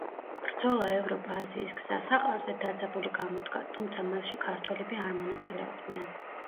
ბრძოლა ევროპა-აზიის გზასაყარზე დაძაბული გამოდგა, თუმცა მასში, ქართველები არ მონაწილეობდნენ.